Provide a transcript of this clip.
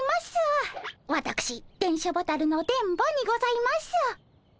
わたくし電書ボタルの電ボにございます。